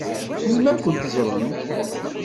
Melmi ad kent-ẓṛen?